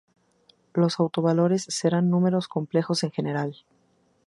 Los autovalores serán números complejos en general.